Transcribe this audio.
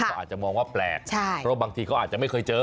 ก็อาจจะมองว่าแปลกเพราะบางทีเขาอาจจะไม่เคยเจอ